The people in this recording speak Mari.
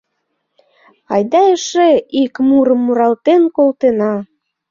Айда эше ик мурым муралтен колтена.